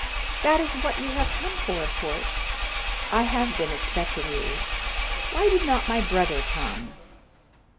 That is what you have come for, of course. I have been expecting you; why did not my brother come?"